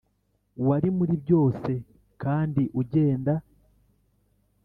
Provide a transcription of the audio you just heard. wari muri byose kandi ugenda